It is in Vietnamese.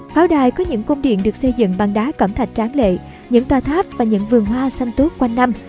pháo đài có những công điện được xây dựng bằng đá cẩm thạch tráng lệ những tòa tháp và những vườn hoa xanh tốt quanh năm